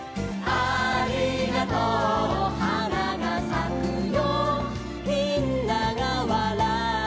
「ありがとうのはながさくよ」